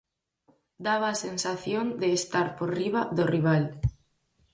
Daba a sensación de estar por riba do rival.